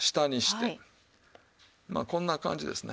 まあこんな感じですね。